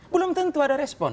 belum tentu ada respon